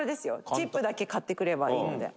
チップだけ買ってくればいいので」